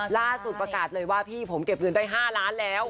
ล่าสุดประกาศเลยว่าพี่ผมเก็บเงินได้๕ล้านแล้ว